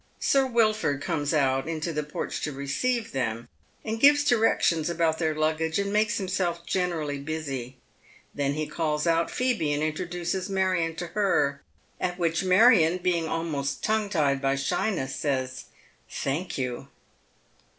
Sir Wilford comes out into Hie porch to receive them, and gives directions about their luggage, and makes himself generally busy. Then he calls out Phoebe and introduces Marion to her, at which Marion, being almost tongue tied by shyness, says, " Thank you."